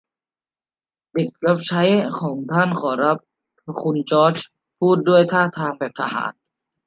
เด็กรับใช้ของท่านขอรับ คุณจอร์จพูดด้วยท่าทางแบบทหาร